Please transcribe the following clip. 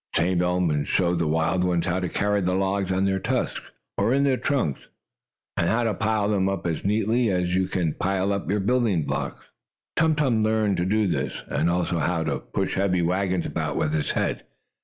The tame elephants showed the wild ones how to carry the logs on their tusks, or in their trunks, and how to pile them up as neatly as you can pile up your building blocks. Tum Tum learned to do this, and also how to push heavy wagons about with his head.